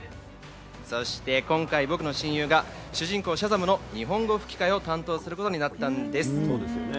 そして今回、僕の親友が主人公・シャザムの日本語吹き替えを担当することになったんです。